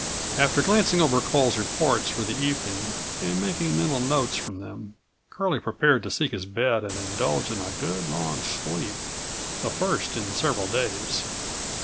After glancing over Coles' reports for the evening and making mental notes from them, Curlie prepared to seek his bed and indulge in a good, long sleep, the first in several days.